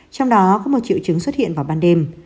trong đó có một triệu chứng xuất hiện vào ban đêm